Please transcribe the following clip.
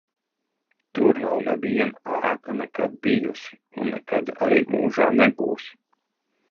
Tur nav neviena ēka nekad bijusi un nekad arī mūžā nebūs.